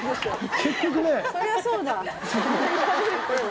結局ね。